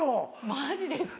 マジですか？